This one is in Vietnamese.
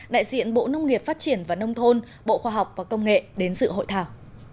đại diện bộ nông nghiệp phát triển và nông thôn bộ khoa học và công nghệ đến dự hội thảo